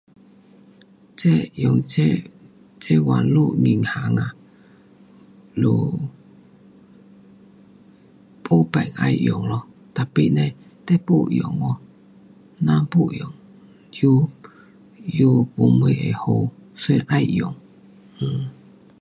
这用这，这网络银行啊，就没办要用咯，tapi 嘞，你没用哦，咱没用又，又没什么会好，所以要用。um